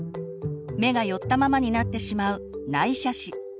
目が寄ったままになってしまう「内斜視」